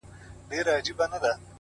ولاكه مو په كار ده دا بې ننگه ككرۍ،